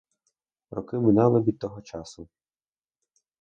Роки минали від того часу.